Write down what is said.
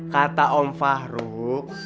kata om fahruk